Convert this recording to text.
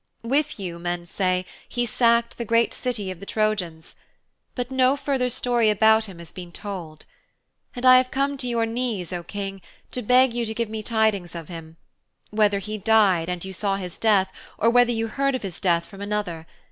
With you, men say, he sacked the great City of the Trojans. But no further story about him has been told. And I have come to your knees, O King, to beg you to give me tidings of him whether he died and you saw his death, or whether you heard of his death from another.